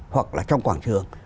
hoặc là trong quảng trường